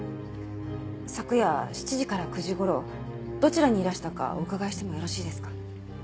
昨夜７時から９時頃どちらにいらしたかお伺いしてもよろしいですか？